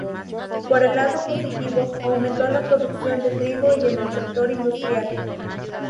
Por el lado positivo, aumentó la producción de trigo y en el sector industrial.